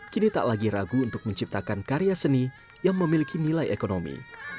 kini tak lagi ragu untuk menciptakan karya seni yang memiliki nilai ekonomi